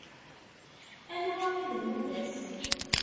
Anwa i d nnuba-s?